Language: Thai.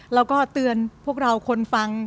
แล้วก็เตือนพวกเราคนฟัง